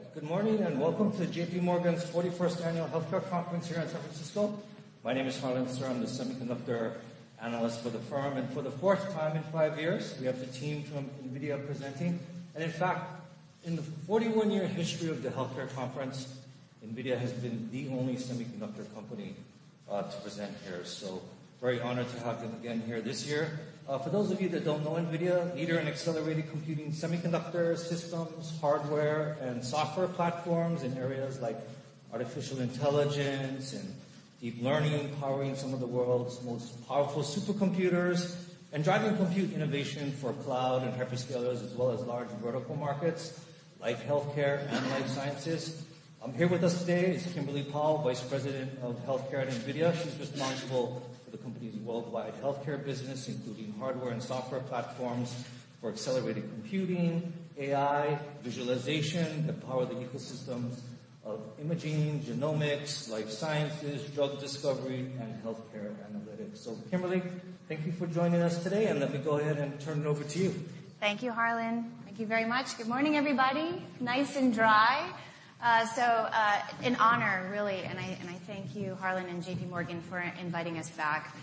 All right. Good morning, and welcome to JPMorgan's 41st annual Healthcare Conference here in San Francisco. My name is Harlan Sur. I'm the semiconductor analyst for the firm. For the fourth time in five years, we have the team from NVIDIA presenting. In fact, in the 41-year history of the healthcare conference, NVIDIA has been the only semiconductor company to present here. Very honored to have them again here this year. For those of you that don't know NVIDIA, leader in accelerated computing semiconductor systems, hardware and software platforms in areas like artificial intelligence and deep learning, powering some of the world's most powerful supercomputers. Driving compute innovation for cloud and hyperscalers, as well as large vertical markets like healthcare and life sciences. Here with us today is Kimberly Powell, Vice President of Healthcare at NVIDIA. She's responsible for the company's worldwide healthcare business, including hardware and software platforms for accelerated computing, AI, visualization that power the ecosystems of imaging, genomics, life sciences, drug discovery, and healthcare analytics. Kimberly, thank you for joining us today, and let me go ahead and turn it over to you. Thank you, Harlan. Thank you very much. Good morning, everybody. Nice and dry. An honor really, and I thank you, Harlan and JPMorgan for inviting us back.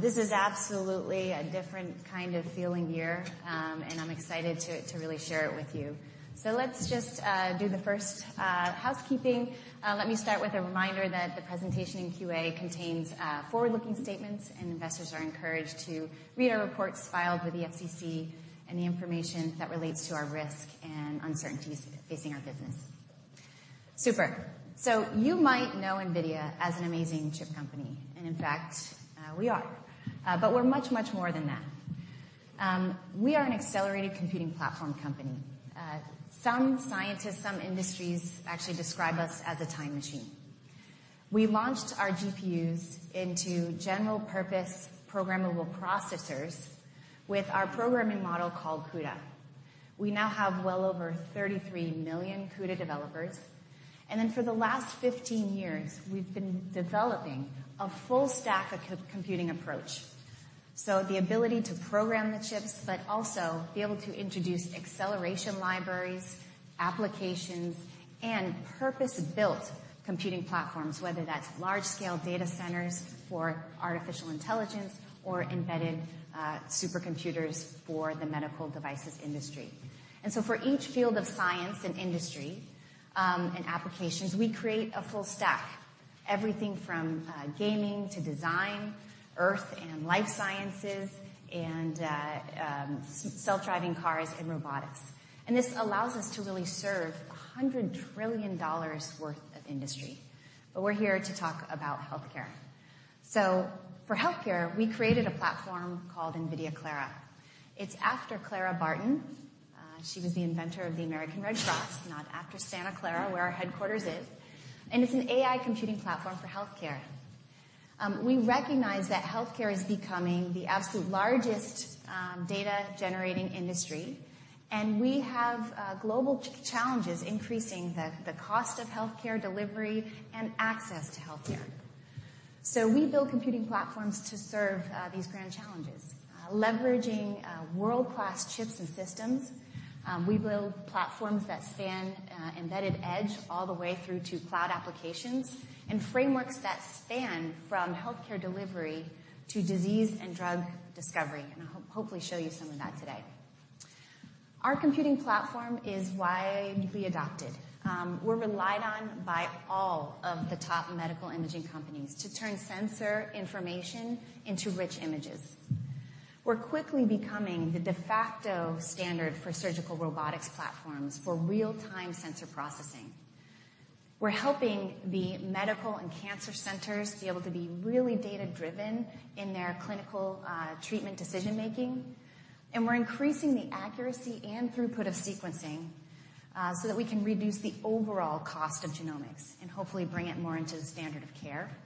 This is absolutely a different kind of feeling year, and I'm excited to really share it with you. Let's just do the first housekeeping. Let me start with a reminder that the presentation and QA contains forward-looking statements, and investors are encouraged to read our reports filed with the SEC and the information that relates to our risk and uncertainties facing our business. Super. You might know NVIDIA as an amazing chip company, and in fact, we are. We're much, much more than that. We are an accelerated computing platform company. Some scientists, some industries actually describe us as a time machine. We launched our GPUs into general purpose programmable processors with our programming model called CUDA. We now have well over 33 million CUDA developers. For the last 15 years we've been developing a full stack of computing approach. The ability to program the chips, but also be able to introduce acceleration libraries, applications, and purpose-built computing platforms, whether that's large scale data centers for artificial intelligence or embedded supercomputers for the medical devices industry. For each field of science and industry, and applications, we create a full stack. Everything from gaming to design, earth and life sciences, and self-driving cars and robotics. This allows us to really serve $100 trillion worth of industry. We're here to talk about healthcare. For healthcare, we created a platform called NVIDIA Clara. It's after Clara Barton. She was the inventor of the American Red Cross, not after Santa Clara, where our headquarters is. It's an AI computing platform for healthcare. We recognize that healthcare is becoming the absolute largest data generating industry, and we have global challenges increasing the cost of healthcare delivery and access to healthcare. We build computing platforms to serve these grand challenges. Leveraging world-class chips and systems, we build platforms that span embedded edge all the way through to cloud applications and frameworks that span from healthcare delivery to disease and drug discovery. I hopefully show you some of that today. Our computing platform is widely adopted. We're relied on by all of the top medical imaging companies to turn sensor information into rich images. We're quickly becoming the de facto standard for surgical robotics platforms for real-time sensor processing. We're helping the medical and cancer centers be able to be really data-driven in their clinical treatment decision-making. We're increasing the accuracy and throughput of sequencing so that we can reduce the overall cost of genomics and hopefully bring it more into the standard of care.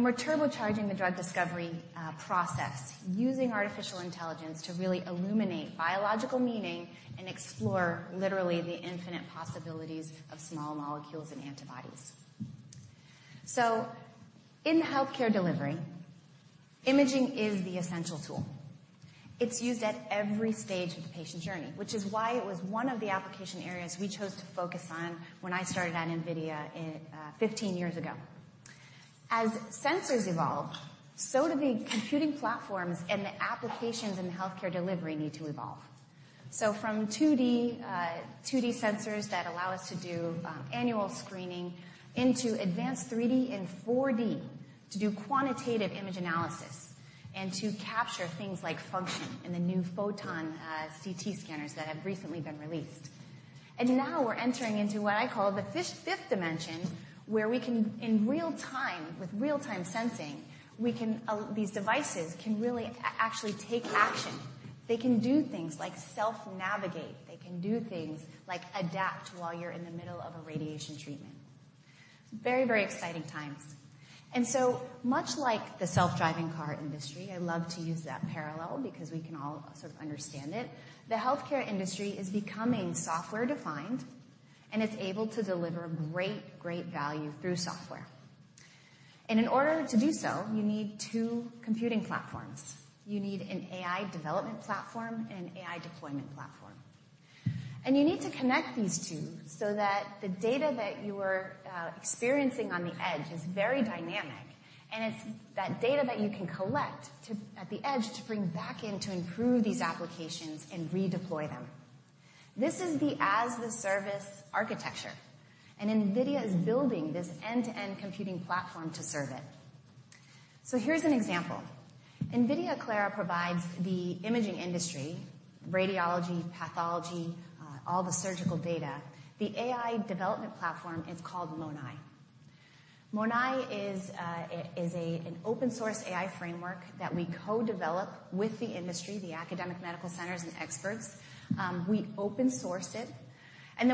We're turbocharging the drug discovery process using artificial intelligence to really illuminate biological meaning and explore literally the infinite possibilities of small molecules and antibodies. In healthcare delivery, imaging is the essential tool. It's used at every stage of the patient journey, which is why it was one of the application areas we chose to focus when I started at NVIDIA 15 years ago. As sensors evolve, so do the computing platforms and the applications in healthcare delivery need to evolve. From 2D sensors that allow us to do annual screening into advanced 3D and 4D to do quantitative image analysis and to capture things like function in the new photon CT scanners that have recently been released. Now we're entering into what I call the fifth dimension, where in real time, with real-time sensing, these devices can really actually take action. They can do things like self-navigate. They can do things like adapt while you're in the middle of a radiation treatment. Very, very exciting times. Much like the self-driving car industry, I love to use that parallel because we can all sort of understand it, the healthcare industry is becoming software-defined, and it's able to deliver great value through software. In order to do so, you need two computing platforms. You need an AI development platform and AI deployment platform. You need to connect these two so that the data that you are experiencing on the edge is very dynamic, and it's that data that you can collect at the edge to bring back in to improve these applications and redeploy them. This is the as-the-service architecture, and NVIDIA is building this end-to-end computing platform to serve it. Here's an example. NVIDIA Clara provides the imaging industry, radiology, pathology, all the surgical data. The AI development platform is called MONAI. MONAI is an open source AI framework that we co-develop with the industry, the academic medical centers and experts. We open sourced it,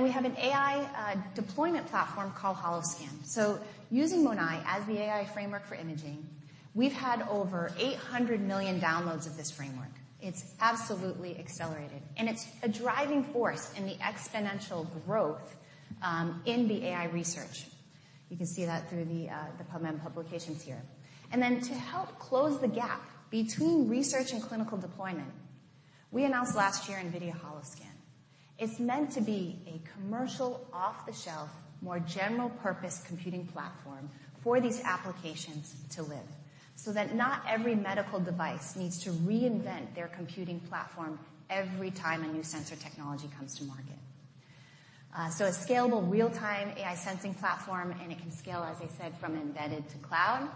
we have an AI deployment platform called Holoscan. Using MONAI as the AI framework for imaging, we've had over 800 million downloads of this framework. It's absolutely accelerated, and it's a driving force in the exponential growth in the AI research. You can see that through the PubMed publications here. To help close the gap between research and clinical deployment, we announced last year NVIDIA Holoscan. It's meant to be a commercial, off-the-shelf, more general-purpose computing platform for these applications to live so that not every medical device needs to reinvent their computing platform every time a new sensor technology comes to market. A scalable real-time AI sensing platform, and it can scale, as I said, from embedded to cloud.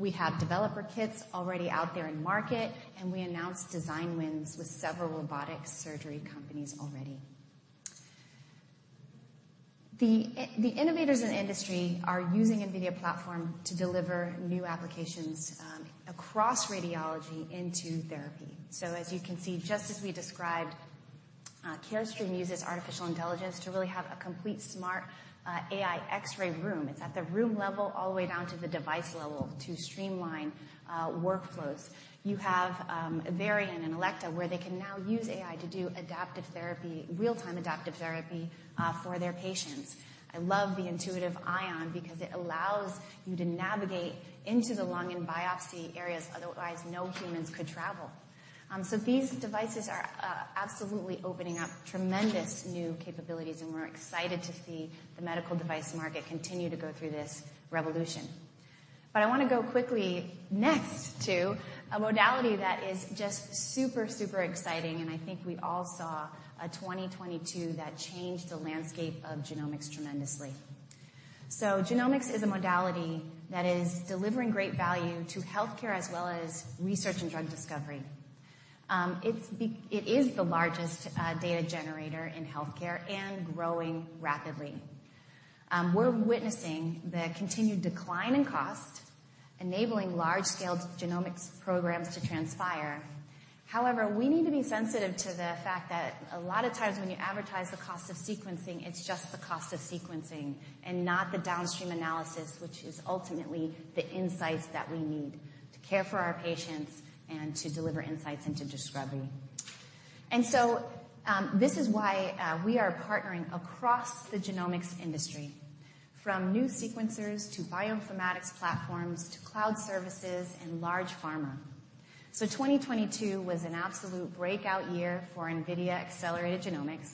We have developer kits already out there in market, and we announced design wins with several robotic surgery companies already. The innovators in the industry are using NVIDIA platform to deliver new applications across radiology into therapy. As you can see, just as we described, Carestream uses artificial intelligence to really have a complete smart AI X-ray room. It's at the room level all the way down to the device level to streamline workflows. You have Varian and Elekta, where they can now use AI to do adaptive therapy, real-time adaptive therapy for their patients. I love the Intuitive Ion because it allows you to navigate into the lung and biopsy areas otherwise no humans could travel. These devices are absolutely opening up tremendous new capabilities, and we're excited to see the medical device market continue to go through this revolution. I wanna go quickly next to a modality that is just super exciting, and I think we all saw a 2022 that changed the landscape of genomics tremendously. Genomics is a modality that is delivering great value to healthcare as well as research and drug discovery. It is the largest data generator in healthcare and growing rapidly. We're witnessing the continued decline in cost, enabling large-scale genomics programs to transpire. However, we need to be sensitive to the fact that a lot of times when you advertise the cost of sequencing, it's just the cost of sequencing and not the downstream analysis which is ultimately the insights that we need to care for our patients and to deliver insights into discovery. This is why we are partnering across the genomics industry from new sequencers to bioinformatics platforms to cloud services and large pharma. 2022 was an absolute breakout year for NVIDIA accelerated genomics.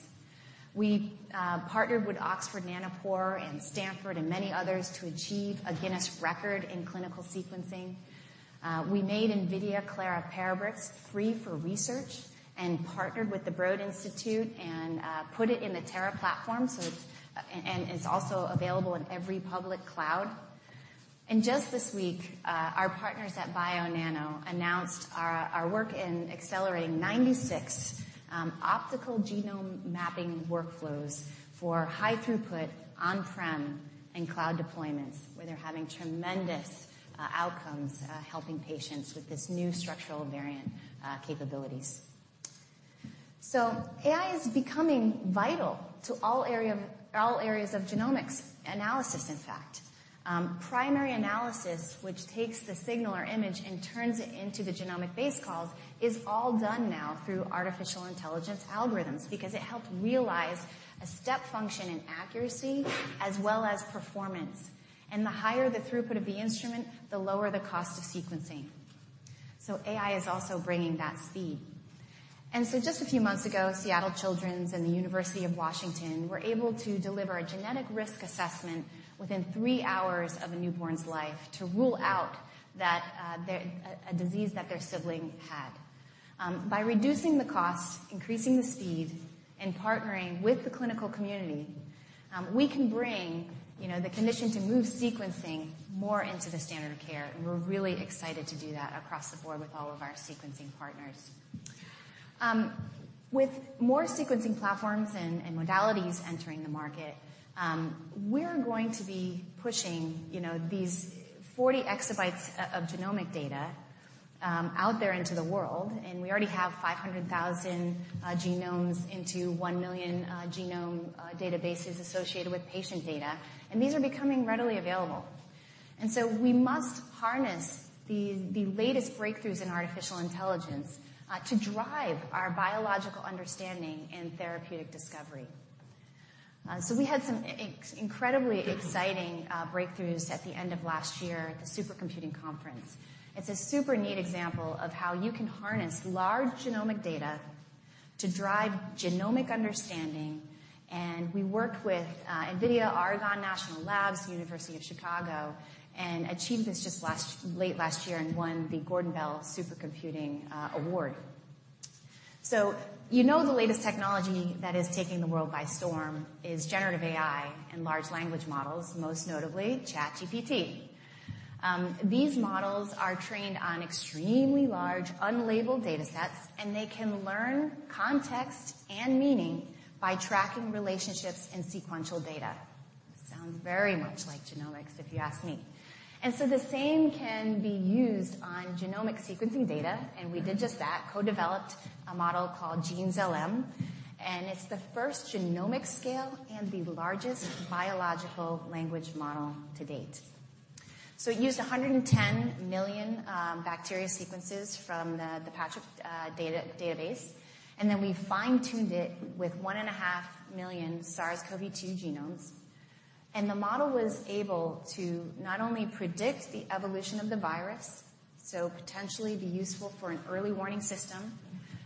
We partnered with Oxford Nanopore and Stanford and many others to achieve a Guinness record in clinical sequencing. We made NVIDIA Clara Parabricks free for research and partnered with the Broad Institute and put it in the Terra platform. And it's also available in every public cloud. Just this week, our partners at Bionano announced our work in accelerating 96 optical genome mapping workflows for high throughput on-prem and cloud deployments, where they're having tremendous outcomes helping patients with this new structural variant capabilities. AI is becoming vital to all areas of genomics analysis, in fact. Primary analysis, which takes the signal or image and turns it into the genomic base calls, is all done now through artificial intelligence algorithms because it helped realize a step function in accuracy as well as performance. The higher the throughput of the instrument, the lower the cost of sequencing. AI is also bringing that speed. Just a few months ago, Seattle Children's and the University of Washington were able to deliver a genetic risk assessment within three hours of a newborn's life to rule out a disease that their sibling had. By reducing the cost, increasing the speed, and partnering with the clinical community, we can bring, you know, the condition to move sequencing more into the standard of care. We're really excited to do that across the board with all of our sequencing partners. With more sequencing platforms and modalities entering the market, we're going to be pushing, you know, these 40 exabytes of genomic data out there into the world, and we already have 500,000 genomes into 1 million genome databases associated with patient data, and these are becoming readily available. We must harness the latest breakthroughs in artificial intelligence to drive our biological understanding in therapeutic discovery. So we had some incredibly exciting breakthroughs at the end of last year at the Supercomputing Conference. It's a super neat example of how you can harness large genomic data to drive genomic understanding. We worked with NVIDIA-Argonne National Labs, University of Chicago, and achieved this late last year and won the Gordon Bell Prize. You know, the latest technology that is taking the world by storm is generative AI and large language models, most notably ChatGPT. These models are trained on extremely large, unlabeled datasets, and they can learn context and meaning by tracking relationships in sequential data. Sounds very much like genomics, if you ask me. The same can be used on genomic sequencing data. We did just that. Co-developed a model called GenSLM, and it's the first genomic scale and the largest biological language model to date. It used 110 million bacteria sequences from the PATRIC database, and then we fine-tuned it with 1.5 million SARS-CoV-2 genomes. The model was able to not only predict the evolution of the virus, so potentially be useful for an early warning system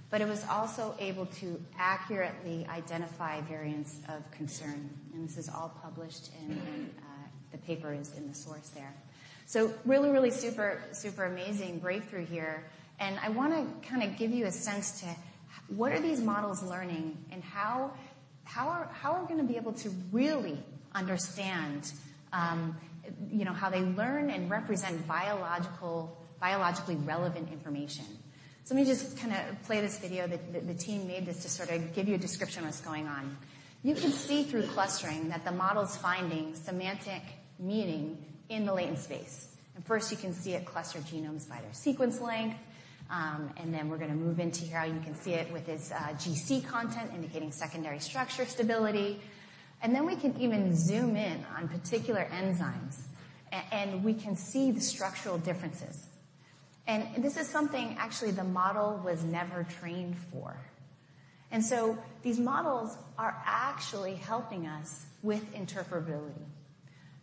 but it was also able to accurately identify variants of concern. This is all published in the paper is in the source there. Really super amazing breakthrough here. I want to kind of give you a sense to what are these models learning and how are we going to be able to really understand, you know, how they learn and represent biologically relevant information. Let me just kind of play this video the team made this to sort of give you a description of what's going on. You can see through clustering that the model's finding semantic meaning in the latent space. First, you can see it cluster genomes by their sequence length. Then we're going to move into here. You can see it with its GC content, indicating secondary structure stability. Then we can even zoom in on particular enzymes, and we can see the structural differences. This is something actually the model was never trained for. These models are actually helping us with interpretability.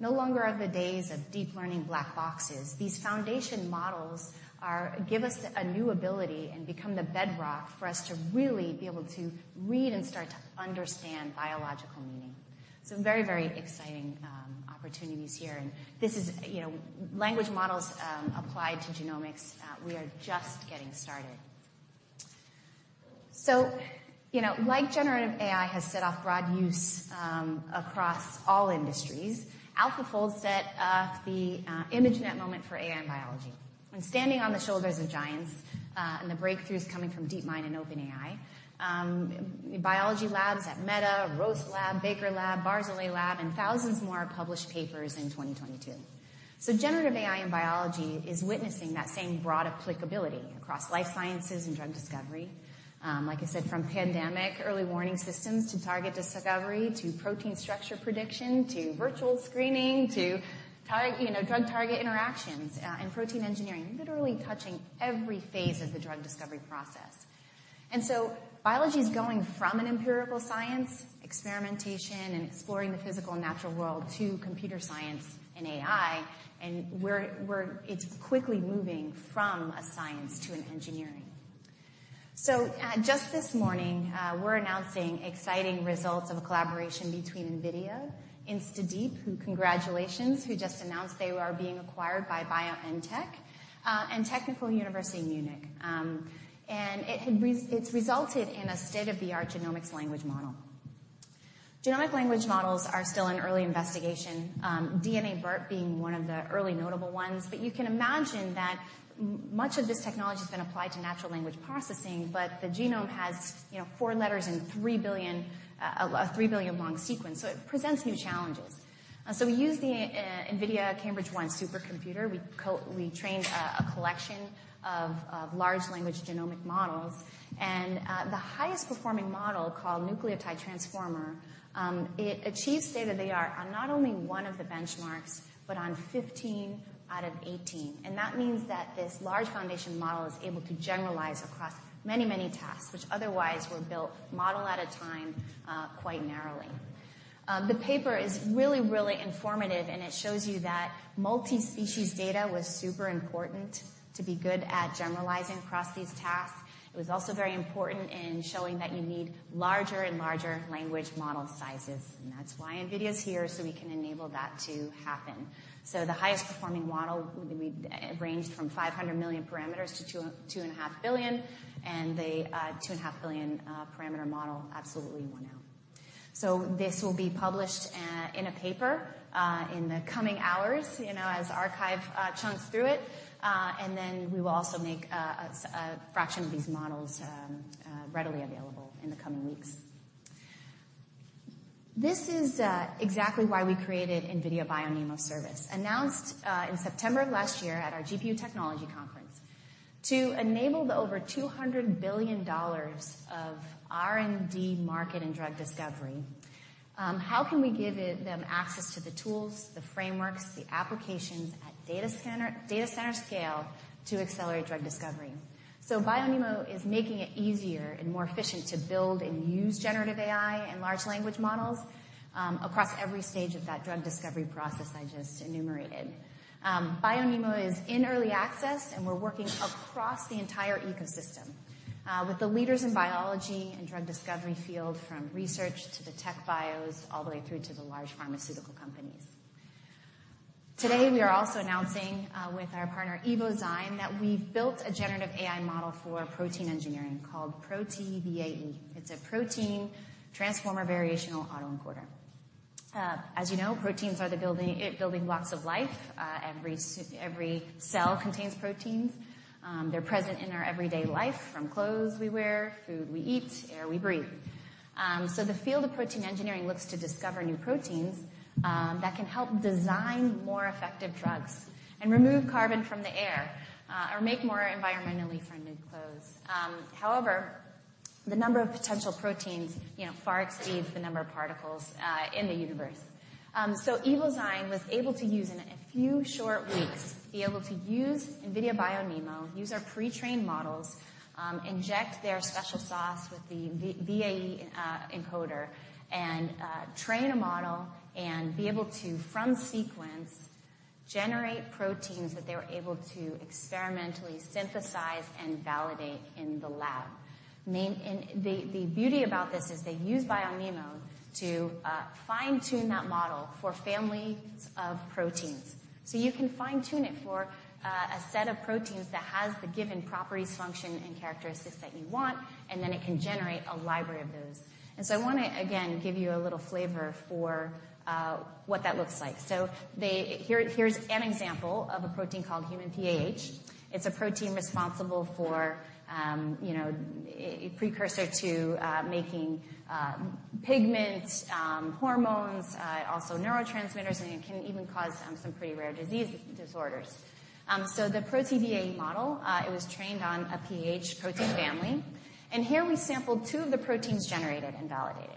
No longer are the days of deep learning black boxes. These foundation models give us a new ability and become the bedrock for us to really be able to read and start to understand biological meaning. Very, very exciting opportunities here. This is, you know, language models applied to genomics. We are just getting started. You know, like generative AI has set off broad use across all industries. AlphaFold set off the ImageNet moment for AI and biology. Standing on the shoulders of giants, and the breakthroughs coming from DeepMind and OpenAI, biology labs at Meta, RoseLab, Baker Lab, Barzilai Lab and thousands more published papers in 2022. Generative AI and biology is witnessing that same broad applicability across life sciences and drug discovery. Like I said, from pandemic early warning systems to target discovery, to protein structure prediction, to virtual screening, you know, drug target interactions, and protein engineering, literally touching every phase of the drug discovery process. Biology is going from an empirical science, experimentation and exploring the physical and natural world to computer science and AI. Where it's quickly moving from a science to an engineering. Just this morning, we're announcing exciting results of a collaboration between NVIDIA, InstaDeep, who congratulations, who just announced they are being acquired by BioNTech, and Technical University of Munich. It's resulted in a state-of-the-art genomics language model. Genomic language models are still in early investigation, DNABERT being one of the early notable ones. You can imagine that much of this technology has been applied to natural language processing but the genome has, you know, 4 letters in 3 billion, a 3 billion long sequence, so it presents new challenges. We use the NVIDIA Cambridge-1 supercomputer. We trained a collection of large language genomic models and the highest performing model called Nucleotide Transformer. It achieves state-of-the-art on not only 1 of the benchmarks, but on 15 out of 18. That means that this large foundation model is able to generalize across many, many tasks which otherwise were built model at a time, quite narrowly. The paper is really, really informative, and it shows you that multi-species data was super important to be good at generalizing across these tasks. It was also very important in showing that you need larger and larger language model sizes. That's why NVIDIA is here, so we can enable that to happen. The highest performing model it ranged from 500 million parameters to 2.5 billion. The 2.5 billion parameter model absolutely won out. This will be published in a paper in the coming hours, you know, as arXiv chunks through it. We will also make a fraction of these models readily available in the coming weeks. This is exactly why we created NVIDIA BioNeMo Service. Announced in September of last year at our GPU Technology Conference. To enable the over $200 billion of R&D market and drug discovery, how can we give them access to the tools, the frameworks, the applications at data center scale to accelerate drug discovery? BioNeMo is making it easier and more efficient to build and use generative AI and large language models across every stage of that drug discovery process I just enumerated. BioNeMo is in early access, and we're working across the entire ecosystem with the leaders in biology and drug discovery field from research to the tech bios all the way through to the large pharmaceutical companies. Today, we are also announcing with our partner Evozyne that we've built a generative AI model for protein engineering called ProT-VAE. It's a protein transformer variational autoencoder. As you know, proteins are the building blocks of life. Every cell contains proteins. They're present in our everyday life, from clothes we wear, food we eat, air we breathe. The field of protein engineering looks to discover new proteins that can help design more effective drugs and remove carbon from the air or make more environmentally friendly clothes. However, the number of potential proteins, you know, far exceeds the number of particles in the universe. Evozyne was able to use in a few short weeks, be able to use NVIDIA BioNeMo, use our pre-trained models, inject their special sauce with the V-VAE encoder, and train a model and be able to, from sequence, generate proteins that they were able to experimentally synthesize and validate in the lab. The beauty about this is they use BioNeMo to fine-tune that model for families of proteins. You can fine-tune it for a set of proteins that has the given properties, function, and characteristics that you want, and then it can generate a library of those. I wanna, again, give you a little flavor for what that looks like. Here's an example of a protein called human PAH. It's a protein responsible for, you know, a precursor to making pigments, hormones, also neurotransmitters, and it can even cause some pretty rare disease disorders. The Prot-VAE model, it was trained on a PAH protein family. Here we sampled two of the proteins generated and validated.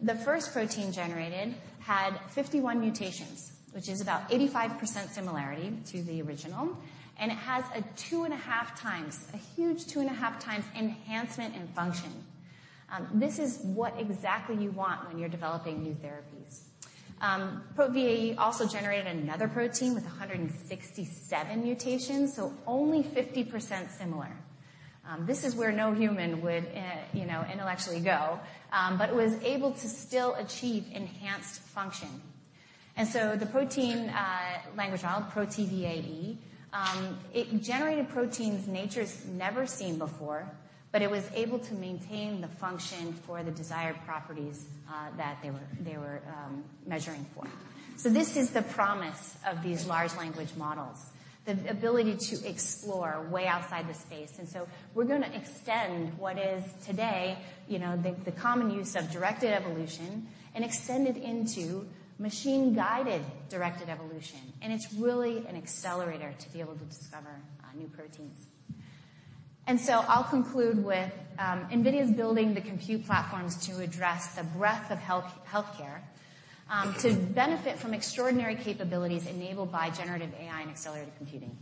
The first protein generated had 51 mutations, which is about 85% similarity to the original, and it has a 2.5 times, a huge 2.5 times enhancement in function. This is what exactly you want when you're developing new therapies. ProT-VAE also generated another protein with 167 mutations, so only 50% similar. This is where no human would, you know, intellectually go, but was able to still achieve enhanced function. The protein language model, ProT-VAE, it generated proteins nature's never seen before, but it was able to maintain the function for the desired properties that they were measuring for. This is the promise of these large language models, the ability to explore way outside the space. We're going to extend what is today, you know, the common use of directed evolution and extend it into machine-guided directed evolution. It's really an accelerator to be able to discover new proteins. I'll conclude with NVIDIA's building the compute platforms to address the breadth of health, healthcare, to benefit from extraordinary capabilities enabled by generative AI and accelerated computing.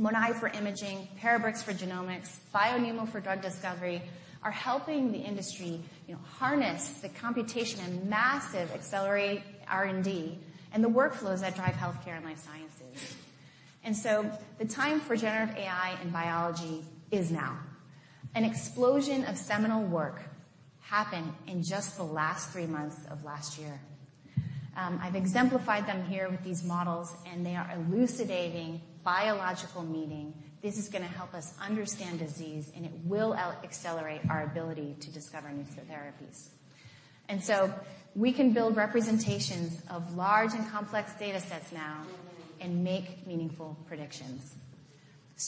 MONAI for imaging, Parabricks for genomics, BioNeMo for drug discovery, are helping the industry, you know, harness the computation and massive accelerate R&D and the workflows that drive healthcare and life sciences. The time for generative AI in biology is now. An explosion of seminal work happened in just the last three months of last year. I've exemplified them here with these models, and they are elucidating biological meaning. This is gonna help us understand disease, and it will accelerate our ability to discover new therapies. We can build representations of large and complex data sets now and make meaningful predictions.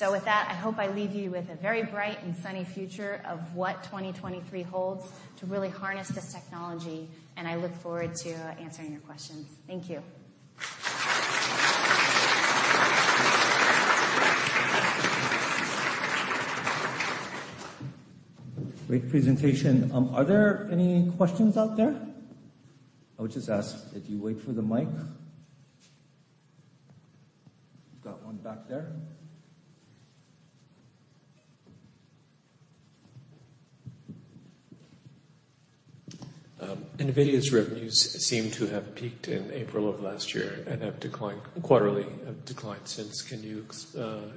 With that, I hope I leave you with a very bright and sunny future of what 2023 holds to really harness this technology, and I look forward to answering your questions. Thank you. Great presentation. Are there any questions out there? I would just ask if you wait for the mic. Got one back there. NVIDIA's revenues seem to have peaked in April of last year and have declined quarterly since. Can you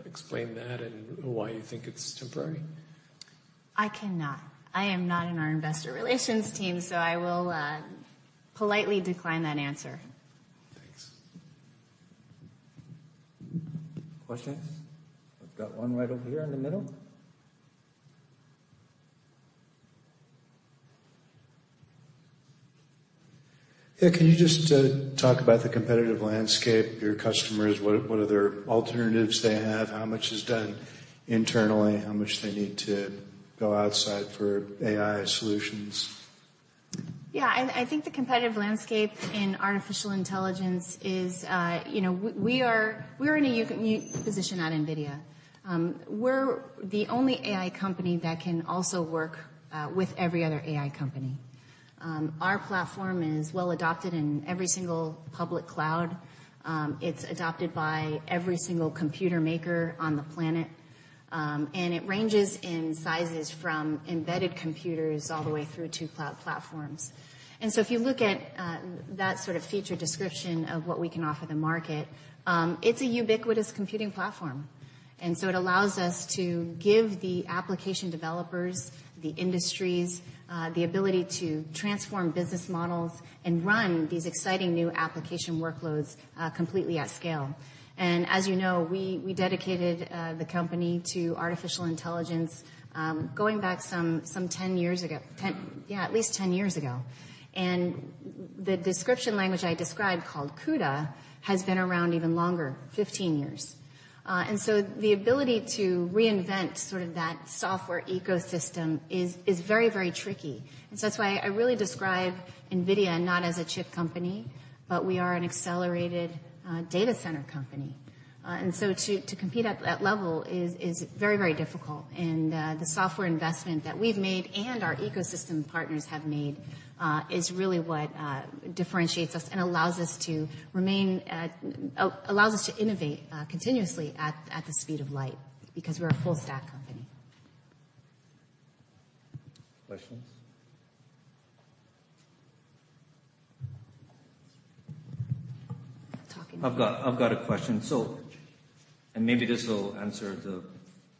explain that and why you think it's temporary? I cannot. I am not in our investor relations team, so I will politely decline that answer. Thanks. Questions? I've got one right over here in the middle. Yeah. Can you just talk about the competitive landscape, your customers, what other alternatives they have? How much is done internally, how much they need to go outside for AI solutions? Yeah, I think the competitive landscape in artificial intelligence is, you know, we are, we're in a unique position at NVIDIA. We're the only AI company that can also work with every other AI company. Our platform is well-adopted in every single public cloud. It's adopted by every single computer maker on the planet. It ranges in sizes from embedded computers all the way through to cloud platforms. If you look at that sort of feature description of what we can offer the market, it's a ubiquitous computing platform. It allows us to give the application developers, the industries, the ability to transform business models and run these exciting new application workloads completely at scale. As you know, we dedicated the company to artificial intelligence, going back some 10 years ago. Yeah, at least 10 years ago. The description language I described called CUDA, has been around even longer, 15 years. That's why I really describe NVIDIA not as a chip company, but we are an accelerated data center company. To compete at level is very, very difficult. The software investment that we've made and our ecosystem partners have made, is really what differentiates us and allows us to innovate continuously at the speed of light because we're a full stack company. Questions? I've got a question. Maybe this will answer the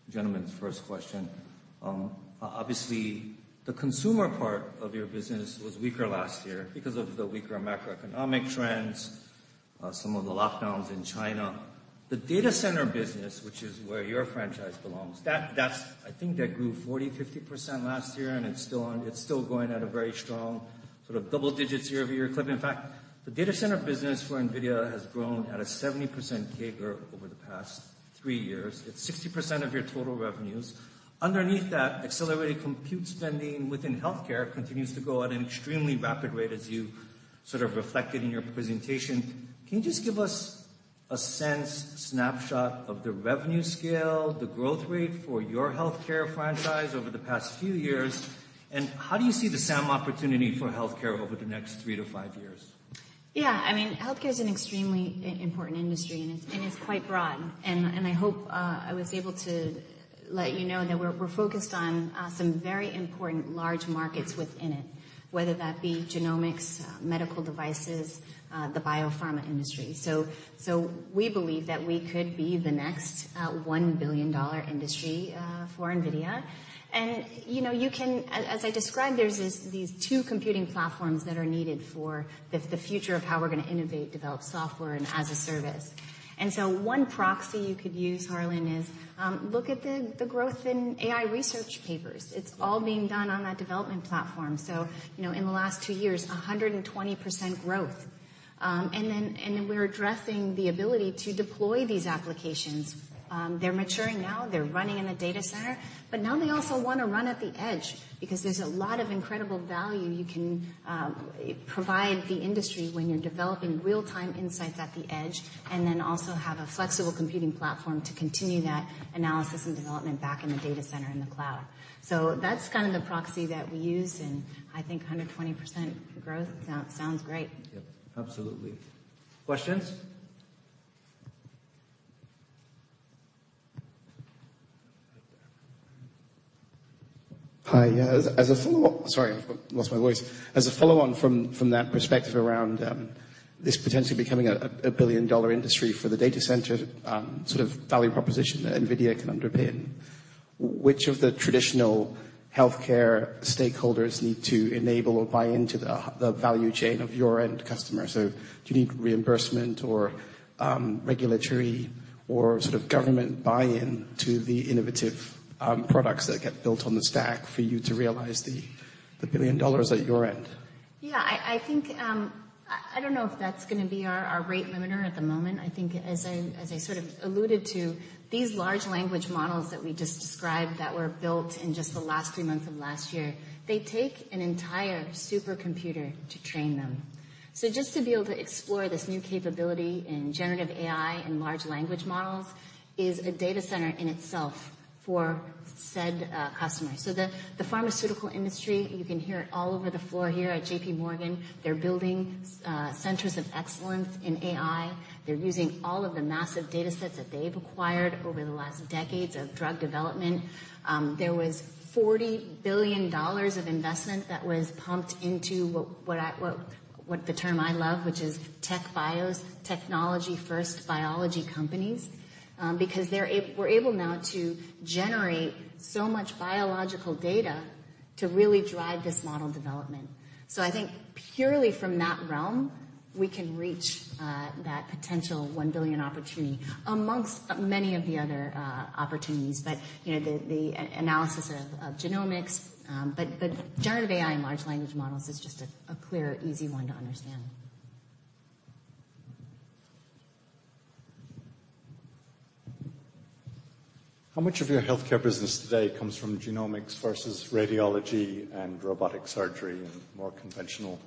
gentleman's first question. Obviously, the consumer part of your business was weaker last year because of the weaker macroeconomic trends, some of the lockdowns in China. The data center business, which is where your franchise belongs, that's, I think that grew 40%, 50% last year, and it's still going at a very strong sort of double-digits year-over-year clip. In fact, the data center business for NVIDIA has grown at a 70% CAGR over the past 3 years. It's 60% of your total revenues. Underneath that, accelerated compute spending within healthcare continues to go at an extremely rapid rate as you sort of reflected in your presentation. Can you just give us a sense snapshot of the revenue scale, the growth rate for your healthcare franchise over the past few years, and how do you see the same opportunity for healthcare over the next three-five years? Yeah. I mean, healthcare is an extremely important industry, and it's quite broad. I hope I was able to let you know that we're focused on some very important large markets within it, whether that be genomics, medical devices, the biopharma industry. So we believe that we could be the next $1 billion industry for NVIDIA. You know, you can as I described, there's these two computing platforms that are needed for the future of how we're gonna innovate, develop software and as a service. One proxy you could use, Harlan, is look at the growth in AI research papers. It's all being done on that development platform. You know, in the last two years, 120% growth. We're addressing the ability to deploy these applications. They're maturing now, they're running in a data center, but now they also wanna run at the edge because there's a lot of incredible value you can provide the industry when you're developing real-time insights at the edge, and then also have a flexible computing platform to continue that analysis and development back in the data center in the cloud. That's kind of the proxy that we use, and I think 120% growth sounds great. Yep, absolutely. Questions? Right there. Hi. As a follow-up sorry, I've lost my voice. As a follow-on from that perspective around this potentially becoming a billion-dollar industry for the data center, sort of value proposition that NVIDIA can underpin, which of the traditional healthcare stakeholders need to enable or buy into the value chain of your end customer? Do you need reimbursement or regulatory or sort of government buy-in to the innovative products that get built on the stack for you to realize the $1 billion at your end? Yeah. I think I don't know if that's gonna be our rate limiter at the moment. I think as I sort of alluded to, these large language models that we just described that were built in just the last three months of last year, they take an entire supercomputer to train them. Just to be able to explore this new capability in generative AI and large language models is a data center in itself for said customers. The pharmaceutical industry, you can hear it all over the floor here at JPMorgan. They're building centers of excellence in AI. They're using all of the massive datasets that they've acquired over the last decades of drug development. There was $40 billion of investment that was pumped into what I, what the term I love, which is tech bios, technology first biology companies, because we're able now to generate so much biological data to really drive this model development. I think purely from that realm, we can reach that potential $1 billion opportunity amongst many of the other opportunities. You know, the analysis of genomics, Generative AI and large language models is just a clear, easy one to understand. How much of your healthcare business today comes from genomics versus radiology and robotic surgery and more conventional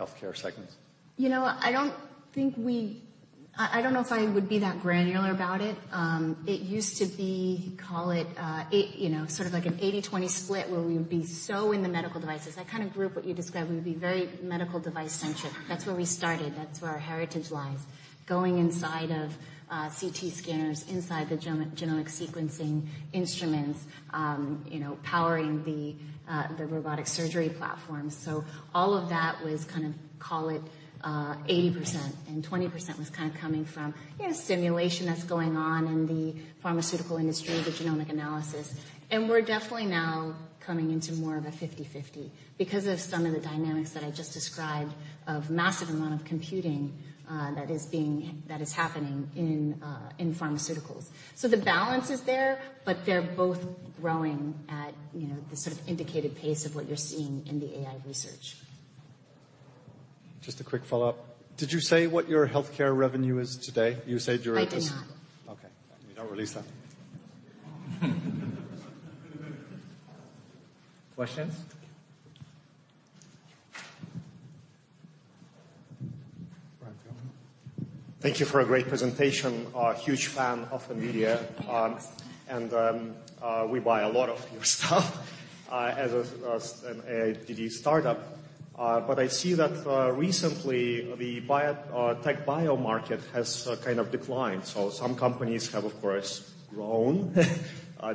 healthcare segments? You know, I don't think I don't know if I would be that granular about it. It used to be, call it, you know, sort of like an 80/20 split where we would be so in the medical devices. That kind of group what you described, we would be very medical device-centric. That's where we started. That's where our heritage lies. Going inside of CT scanners, inside the genomic sequencing instruments, you know, powering the robotic surgery platforms. All of that was kind of, call it, 80%, and 20% was kind of coming from, you know, stimulation that's going on in the pharmaceutical industry, the genomic analysis. We're definitely now coming into more of a 50/50 because of some of the dynamics that I just described of massive amount of computing that is being that is happening in pharmaceuticals. The balance is there, but they're both growing at, you know, the sort of indicated pace of what you're seeing in the AI research. Just a quick follow-up. Did you say what your healthcare revenue is today? You said during this. I did not. Okay. You don't release that? Questions? Thank you for a great presentation. A huge fan of NVIDIA. We buy a lot of your stuff as a, as an ADD startup. I see that recently the tech bio market has kind of declined. Some companies have, of course, grown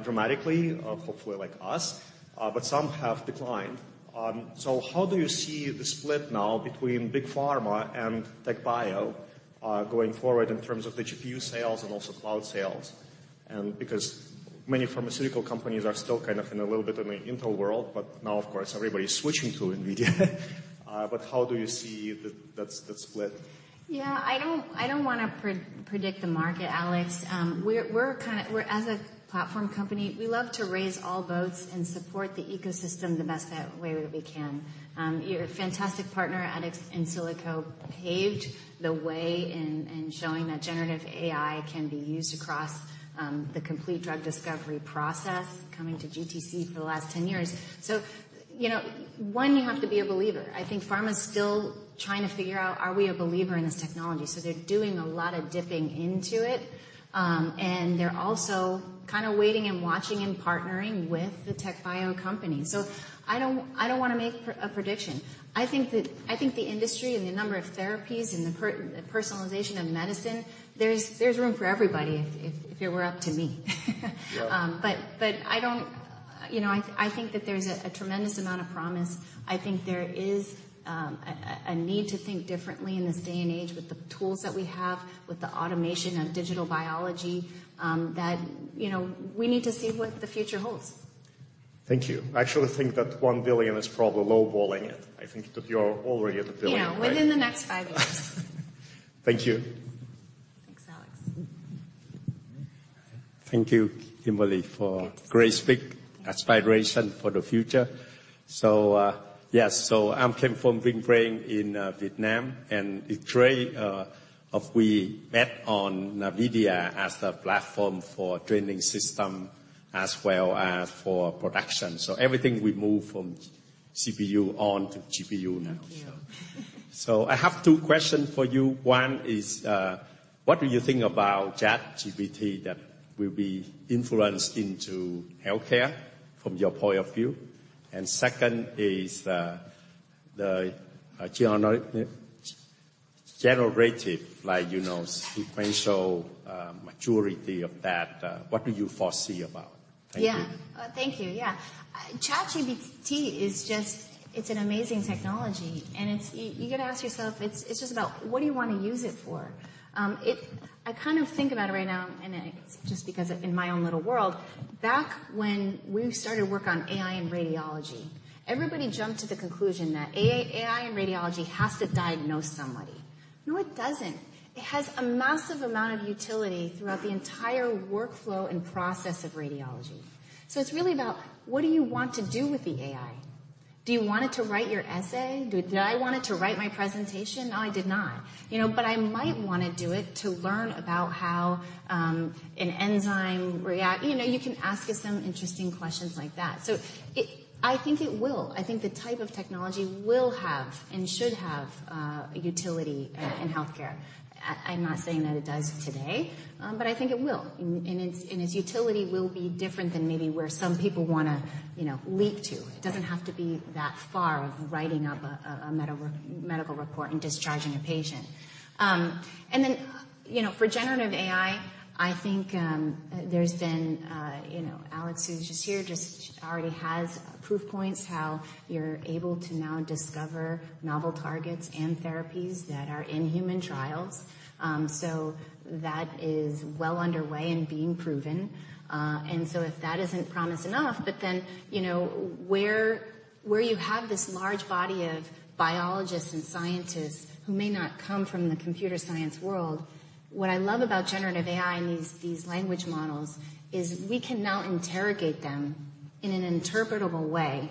dramatically, hopefully like us, but some have declined. How do you see the split now between big pharma and tech bio going forward in terms of the GPU sales and also cloud sales? Because many pharmaceutical companies are still kind of in a little bit of an Intel world, but now, of course, everybody's switching to NVIDIA. How do you see that split? Yeah. I don't, I don't wanna predict the market, Alex. As a platform company, we love to raise all boats and support the ecosystem the best way that we can. Your fantastic partner at Insilico paved the way in showing that generative AI can be used across the complete drug discovery process, coming to GTC for the last 10 years. You know, one, you have to be a believer. I think pharma is still trying to figure out, are we a believer in this technology? They're doing a lot of dipping into it, and they're also kind of waiting and watching and partnering with the tech bio company. I don't, I don't wanna make a prediction. I think the industry and the number of therapies and the personalization of medicine, there's room for everybody if it were up to me. I don't, you know, I think that there's a tremendous amount of promise. I think there is a need to think differently in this day and age with the tools that we have, with the automation and digital biology, that, you know, we need to see what the future holds. Thank you. I actually think that $1 billion is probably lowballing it. I think that we are already at $1 billion. Yeah, within the next five years. Thank you, Kimberly for great speak. Aspiration for the future. Yes, I came from VinBrain in Vietnam, and it's very of we bet on NVIDIA as a platform for training system as well as for production. Everything we move from CPU on to GPU now. I have two questions for you. One is, what do you think about ChatGPT that will be influenced into healthcare from your point of view? Second is the generative AI, like, you know, sequential maturity of that, what do you foresee about? Thank you. Yeah. Thank you. Yeah. ChatGPT is just it's an amazing technology, and it's You got to ask yourself, it's just about what do you wanna use it for? I kind of think about it right now, and just because in my own little world, back when we started work on AI and radiology, everybody jumped to the conclusion that AI and radiology has to diagnose somebody. No, it doesn't. It has a massive amount of utility throughout the entire workflow and process of radiology. It's really about what do you want to do with the AI? Do you want it to write your essay? Did I want it to write my presentation? No, I did not. You know, I might wanna do it to learn about how an enzyme react. You know, you can ask it some interesting questions like that. I think it will. I think the type of technology will have and should have utility in healthcare. I'm not saying that it does today, but I think it will. Its utility will be different than maybe where some people wanna, you know, leap to. It doesn't have to be that far of writing up a medical report and discharging a patient. Then, you know, for generative AI, I think there's been, you know, Alex, who's just here, already has proof points how you're able to now discover novel targets and therapies that are in human trials. That is well underway and being proven. If that isn't promise enough, you know, where you have this large body of biologists and scientists who may not come from the computer science world, what I love about generative AI and these language models is we can now interrogate them in an interpretable way.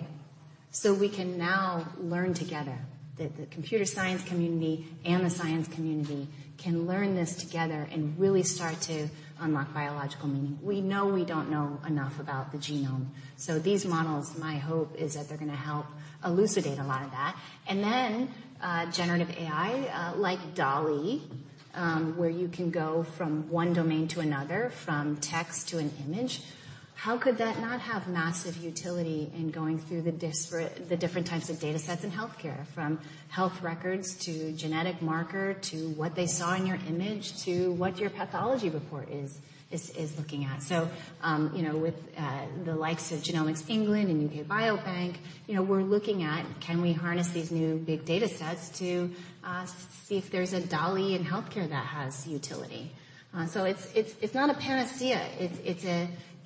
We can now learn together that the computer science community and the science community can learn this together and really start to unlock biological meaning. We know we don't know enough about the genome. These models, my hope is that they're gonna help elucidate a lot of that. Generative AI like DALL-E, where you can go from one domain to another, from text to an image, how could that not have massive utility in going through the different types of datasets in healthcare, from health records to genetic marker to what they saw in your image to what your pathology report is looking at? You know, with the likes of Genomics England and UK Biobank, you know, we're looking at can we harness these new big datasets to see if there's a DALL-E in healthcare that has utility. It's not a panacea.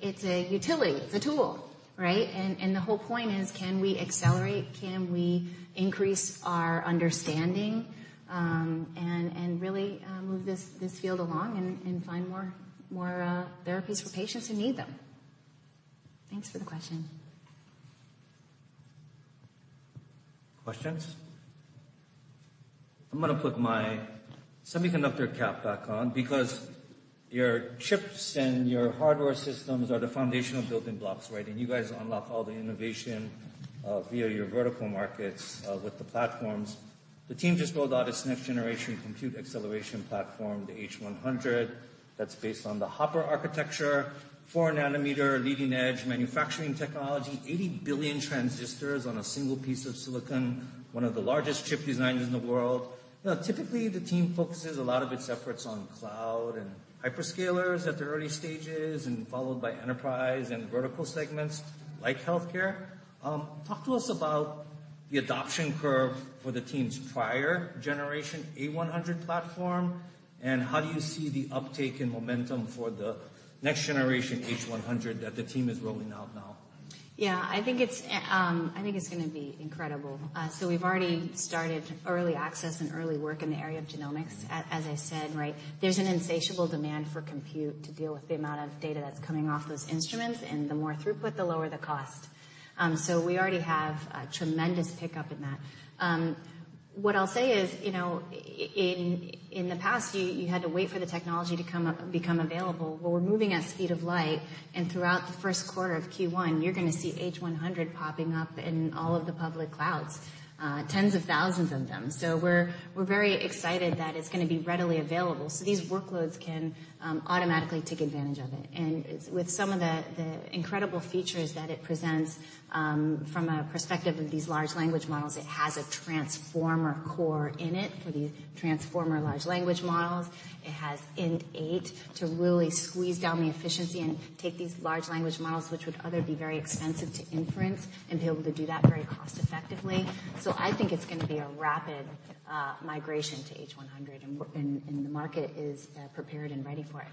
It's a utility. It's a tool, right? The whole point is can we accelerate? Can we increase our understanding, and really, move this field along and find more therapies for patients who need them. Thanks for the question. Questions? I'm going to put my semiconductor cap back on because your chips and your hardware systems are the foundational building blocks, right? You guys unlock all the innovation via your vertical markets with the platforms. The team just rolled out its next generation compute acceleration platform, the H100, that's based on the Hopper architecture, 4-nanometer leading-edge manufacturing technology, 80 billion transistors on a single piece of silicon, one of the largest chip designs in the world. Typically, the team focuses a lot of its efforts on cloud and hyperscalers at their early stages and followed by enterprise and vertical segments like healthcare. Talk to us about the adoption curve for the team's prior generation A100 platform and how do you see the uptake and momentum for the next generation H100 that the team is rolling out now? Yeah. I think it's, I think it's gonna be incredible. We've already started early access and early work in the area of genomics. As I said, right? There's an insatiable demand for compute to deal with the amount of data that's coming off those instruments, and the more throughput, the lower the cost. We already have a tremendous pickup in that. What I'll say is, you know, in the past, you had to wait for the technology to become available. We're moving at speed of light, and throughout the first quarter of Q1, you're gonna see H100 popping up in all of the public clouds. Tens of thousands of them. We're very excited that it's gonna be readily available, so these workloads can automatically take advantage of it. With some of the incredible features that it presents from a perspective of these large language models, it has a transformer core in it for these transformer large language models. It has INT8 to really squeeze down the efficiency and take these large language models, which would other be very expensive to inference and be able to do that very cost effectively. I think it's gonna be a rapid migration to H100, the market is prepared and ready for it.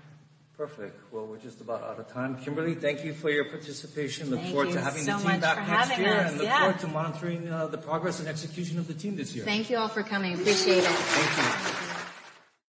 Perfect. We're just about out of time. Kimberly, thank you for your participation. Look forward to having the team back next year. Thank you so much for having us. Yeah. Look forward to monitoring the progress and execution of the team this year. Thank you all for coming. Appreciate it. Thank you.